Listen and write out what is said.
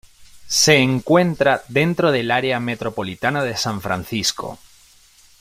Se encuentra dentro del área metropolitana de San Francisco.